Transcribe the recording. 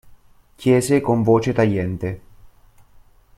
Chiese con voce tagliente.